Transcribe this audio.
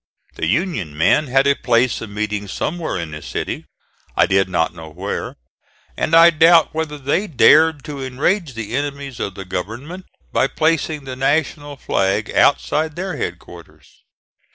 The Union men had a place of meeting somewhere in the city, I did not know where, and I doubt whether they dared to enrage the enemies of the government by placing the national flag outside their head quarters.